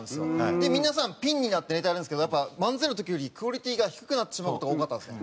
で皆さんピンになってネタをやるんですけどやっぱ漫才の時よりクオリティーが低くなってしまう事が多かったんですね。